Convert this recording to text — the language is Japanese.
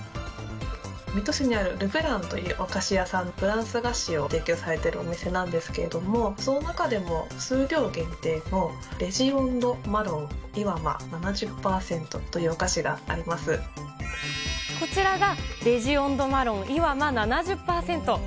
水戸市にあるルブランというお菓子屋さん、フランス菓子を提供されているお店なんですけれども、その中でも数量限定のレジオンドマロン岩間７０％というお菓子がこちらがレジオンドマロン岩間７０％。